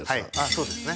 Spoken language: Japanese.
そうですね